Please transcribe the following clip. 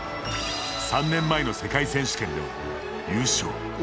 ３年前の世界選手権では優勝。